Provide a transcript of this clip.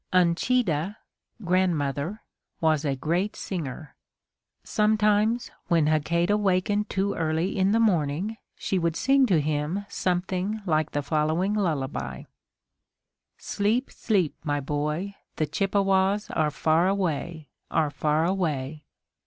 Uncheedah (grandmother) was a great singer. Sometimes, when Hakadah wakened too early in the morning, she would sing to him something like the following lullaby: Sleep, sleep, my boy, the Chippewas Are far away are far away.